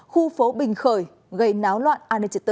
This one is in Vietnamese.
khu phố bình khởi gây náo loạn an ninh trật tự